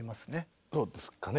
そうですかね。